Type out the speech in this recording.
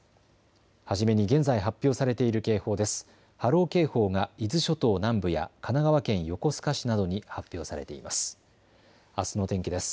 初めに現在発表されている警報です。